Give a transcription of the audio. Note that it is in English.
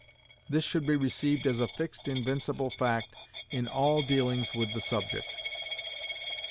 This should be received as a fixed invincible fact in all dealings with the subject.